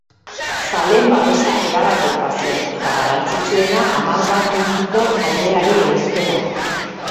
Zaleen babesa erabatekoa zen eta garrantzitsuena, hamar bat puntuko aldeari eustea.